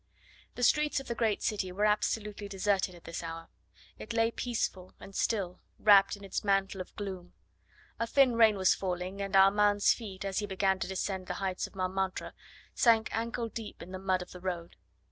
The streets of the great city were absolutely deserted at this hour. It lay, peaceful and still, wrapped in its mantle of gloom. A thin rain was falling, and Armand's feet, as he began to descend the heights of Montmartre, sank ankle deep in the mud of the road.